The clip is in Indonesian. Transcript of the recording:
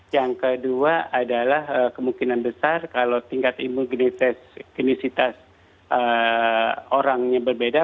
yang kedua adalah kemungkinan besar kalau tingkat kimisitas orangnya berbeda